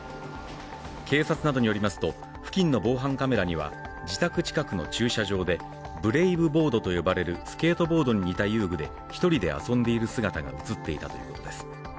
警察などによりますと付近の防犯カメラには自宅近くの駐車場でブレイブボードと呼ばれるスケートボードに似た遊具で１人で遊んでいる姿が映っていたということです。